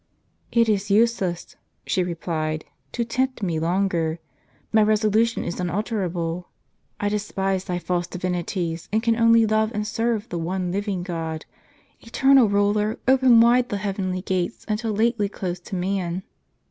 "It is useless," she replied, " to tempt me longer. My resolution is unalterable. I despise thy false divinities, and can only love and serve the one living God. Eternal Ruler, open wide the heavenly gates, until lately closed to man.